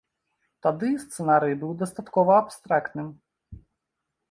Тады сцэнарый быў дастаткова абстрактным.